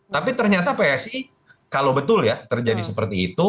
tapi ternyata psi kalau betul ya terjadi seperti itu